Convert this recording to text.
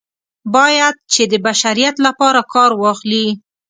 باید چې د بشریت لپاره کار واخلي.